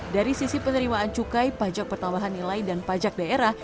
dari sisi penerimaan cukai pajak pertambahan nilai dan pajak daerah